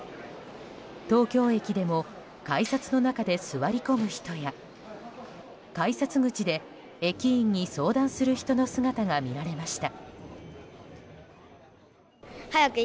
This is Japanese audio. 東京駅でも改札の中で座り込む人や改札口で駅員に相談する人の姿が見られました。